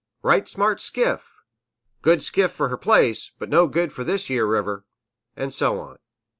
"Right smart skiff!" "Good skiff for her place, but no good for this yere river!" and so on.